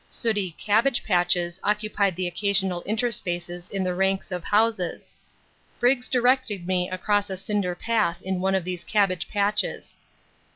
Sooty cabbage patches occupied the occasional interspaces in the ranks of houses. Briggs directed me across a cinder path in one of these cabbage patches.